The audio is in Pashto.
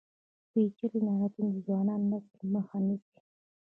پیچلي لغتونه د ځوان نسل مخه نیسي.